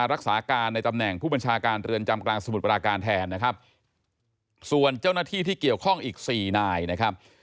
รักษาการในตำแหน่งผู้บัญชาการเรือนจำกลางสมุทรปราการแทนนะครับส่วนเจ้าหน้าที่ที่เกี่ยวข้องอีกสี่นายนะครับ